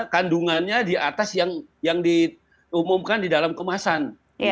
kandungannya di atas yang diumumkan di dalam kemasan